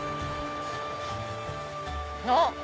あっ！